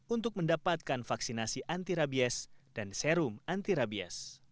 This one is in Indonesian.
untuk mendapatkan vaksinasi anti rabies dan serum anti rabies